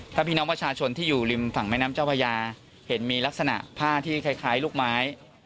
ถ้าพี่น้องประชาชนที่อยู่ริมฝั่งแม่น้ำเจ้าพญาเห็นมีลักษณะผ้าที่คล้ายลูกไม้